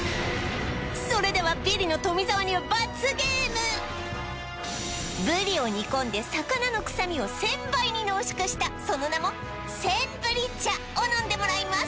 それではブリを煮込んで魚の臭みを１０００倍に濃縮したその名も１０００ブリ茶を飲んでもらいます